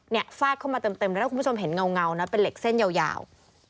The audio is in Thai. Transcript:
ฟาดเข้ามาเต็มเลยถ้าคุณผู้ชมเห็นเงานะเป็นเหล็กเส้นยาว